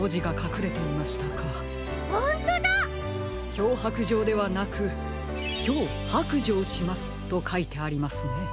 「きょうはくじょう」ではなく「きょうはくじょうします」とかいてありますね。